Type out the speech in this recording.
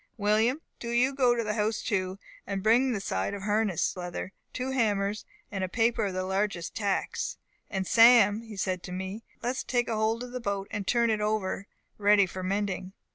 William, do you go to the house too, and bring the side of harness leather, two hammers, and a paper of the largest tacks. And Sam,' said he to me, 'let us take hold of the boat, and turn it over ready for mending.